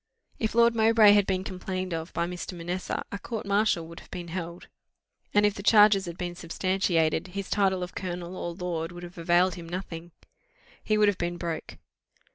If Lord Mowbray had been complained of by Mr. Manessa, a court martial would have been held; and if the charges had been substantiated, his title of colonel or lord would have availed him nothing he would have been broke.